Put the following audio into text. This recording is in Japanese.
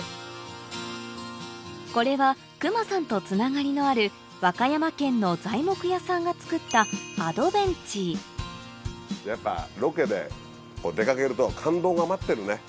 これは隈さんとつながりのある和歌山県の材木屋さんが作ったやっぱロケで出かけると感動が待ってるね。